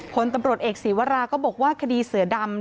ผลตำรวจเอกศีวราก็บอกว่าคดีเสือดำ